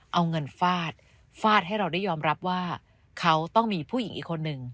เอาเงินฟาดฟาดให้เราได้ยอมรับว่าเขาต้องมีผู้หญิงอีกคนนึง